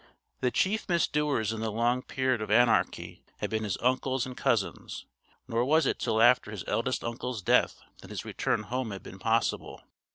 The chief misdoers in the long period of anarchy had been his uncles and cousins; nor was it till after his eldest uncle's death that his return home had been possible.